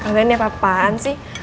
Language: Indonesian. ih katanya ini apaan sih